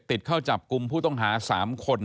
ติดเข้าจับกลุ่มผู้ต้องหา๓คน